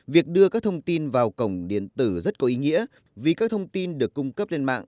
việc đưa các thông tin vào cổng điện tử rất có ý nghĩa vì các thông tin được cung cấp lên mạng